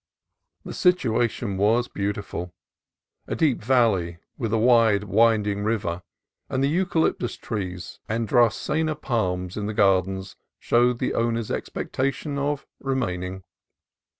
The situation was beautiful, — a deep valley with a wide, winding river; and the eucalyptus trees anddracaena palms in the gardens showed the owners' expectation of remaining.